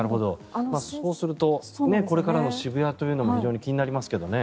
そうするとこれからの渋谷というのも非常に気になりますけどね。